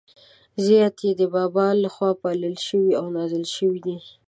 زیات يې د بابا له خوا پالل شوي او نازول شوي دي.